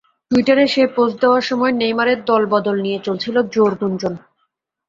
টুইটারে সেই পোস্ট দেওয়ার সময় নেইমারের দলবদল নিয়ে চলছিল জোর গুঞ্জন।